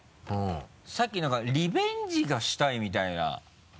さっき何かリベンジがしたいみたいな。